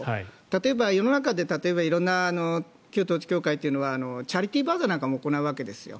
例えば、世の中で色んな旧統一教会というのはチャリティーバザーなんかも行うわけですよ。